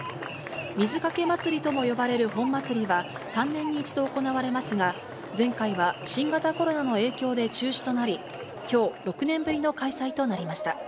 水かけ祭りとも呼ばれる本祭りは３年に一度行われますが、前回は新型コロナの影響で中止となり、きょう６年ぶりの開催となりました。